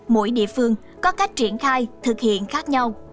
mỗi địa phương có cách triển khai thực hiện khác nhau